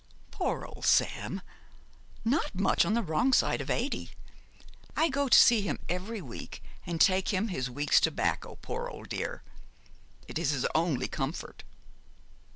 'Poor old Sam, not much on the wrong side of eighty. I go to see him every week, and take him his week's tobacco, poor old dear. It is his only comfort.'